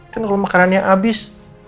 kan kalau makanannya habis